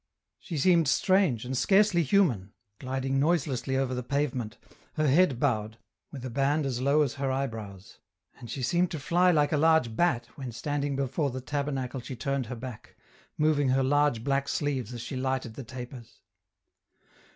■ She seemed strange and scarcely human, gliding noise EN ROUTE. 93 lessly over the pavement, her head bowed, with a band as low as her eyebrows, and she seemed to fly Hke a large bat when standing before the tabernacle she turned her back, moving her large black sleeves as she lighted the tapers.